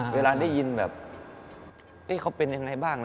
เวลาได้ยินแบบเขาเป็นยังไงบ้าง